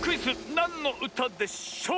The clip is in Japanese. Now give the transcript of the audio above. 「なんのうたでしょう」